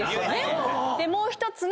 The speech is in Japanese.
もう１つが。